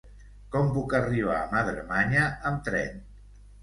Com puc arribar a Madremanya amb tren?